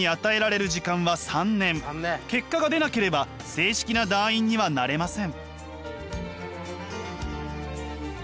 結果が出なければ正式な団員にはなれません。